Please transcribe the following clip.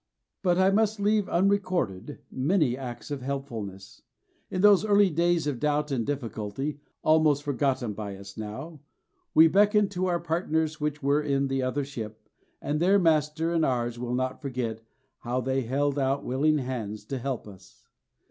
But I must leave unrecorded many acts of helpfulness. In those early days of doubt and difficulty, almost forgotten by us now, we beckoned to our "partners which were in the other ship," and their Master and ours will not forget how they held out willing hands and helped us.